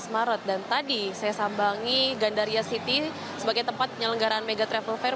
sebelas maret dan tadi saya sambangi gandaria city sebagai tempat penyelenggaraan mega travel fair